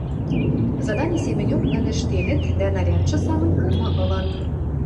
— Задани семӹньок нӹнӹ ӹштенӹт, дӓ нарядшы самынь пумы ылын.